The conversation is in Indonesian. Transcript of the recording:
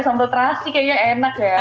sambal terasi kayaknya enak ya